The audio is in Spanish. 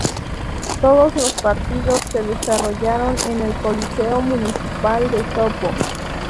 Todos los partidos se desarrollaron en el Coliseo Municipal de Sopó.